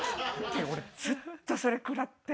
ずっとそれ食らって。